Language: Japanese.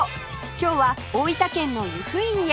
今日は大分県の由布院へ